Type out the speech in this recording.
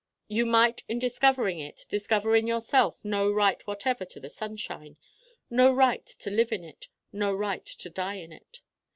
You might in discovering it discover in yourself no right whatever to the sunshine no right to live in it, no right to die in it.